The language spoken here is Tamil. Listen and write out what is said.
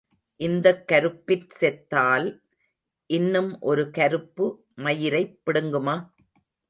இந்தக் கருப்பிற் செத்தால் இன்னும் ஒரு கருப்பு மயிரைக் பிடுங்குமா?